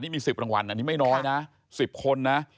น้อยนะ๑๐คนนะ